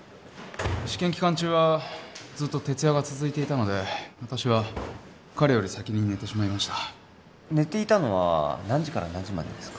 ・試験期間中はずっと徹夜が続いていたので私は彼より先に寝てしまいました寝ていたのは何時から何時までですか？